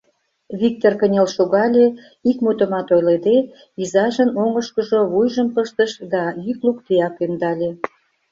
Виктор кынел шогале, ик мутымат ойлыде, изажын оҥышкыжо вуйжым пыштыш да йӱк лукдеак ӧндале.